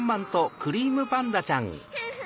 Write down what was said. クリームパンダちゃん。